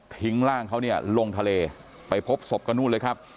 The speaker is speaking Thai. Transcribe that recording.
ร่างเขาเนี่ยลงทะเลไปพบศพก็นู่นเลยครับ